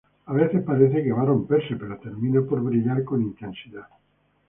A veces parece que va a romperse, pero termina por brillar con intensidad.